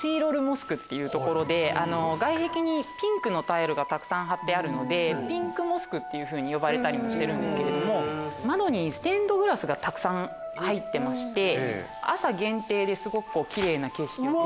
外壁にピンクのタイルがたくさん張ってあるのでピンクモスクっていうふうに呼ばれたりもしてるんですけど窓にステンドグラスがたくさん入ってまして朝限定ですごくキレイな景色を。